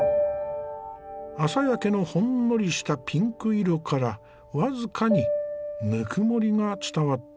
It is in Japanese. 朝焼けのほんのりしたピンク色から僅かにぬくもりが伝わってくる。